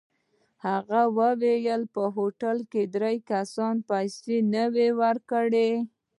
هغه وویل په هوټل کې درې کسانو پیسې نه وې ورکړې.